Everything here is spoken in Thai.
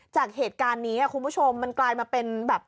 จากเหตุการณ์นี้คุณผู้ชมมันกลายมาเป็นแบบ